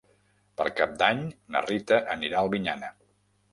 Per Cap d'Any na Rita anirà a Albinyana.